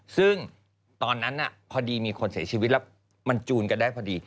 ซึ่งตอนนั้นพอดีมีคนเสียชีวิตแล้วมันจูนกันได้พอดี